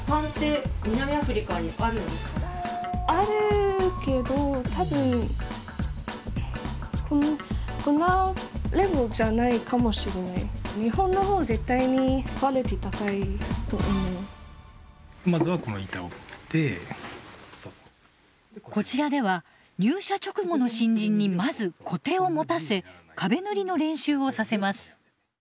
あるけど多分こちらでは入社直後の新人にまずコテを持たせ壁塗りの練習をさせます。